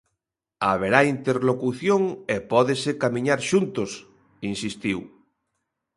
"Haberá interlocución e pódese camiñar xuntos", insistiu.